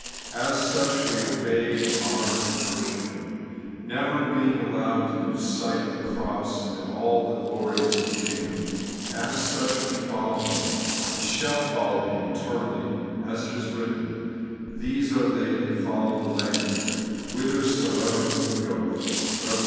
As such, we obey and honour and worship Him ; never being allowed to lose sight of the cross amid all the glories of the kingdom, A& such we foUow Him, and shall follow Him eternally, as it is written, 'These are they that follow the Lamb whitherso ever He goeth' (Eev, xiv.